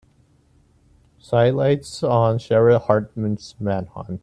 Sidelights on Sheriff Hartman's manhunt.